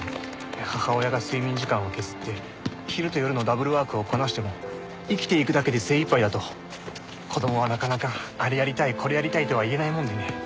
母親が睡眠時間を削って昼と夜のダブルワークをこなしても生きていくだけで精いっぱいだと子供はなかなか「あれやりたいこれやりたい」とは言えないもんでね。